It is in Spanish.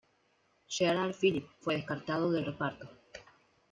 Gerard Philippe fue descartado del reparto.